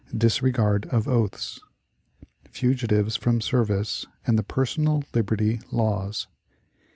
Disregard of Oaths. Fugitives from Service and the "Personal Liberty Laws."